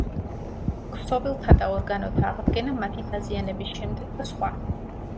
ქსოვილთა და ორგანოთა აღდგენა მათი დაზიანების შემდეგ და სხვა.